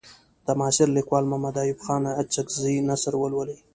د معاصر لیکوال محمد ایوب خان اڅکزي نثر ولولئ.